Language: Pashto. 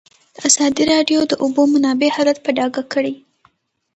ازادي راډیو د د اوبو منابع حالت په ډاګه کړی.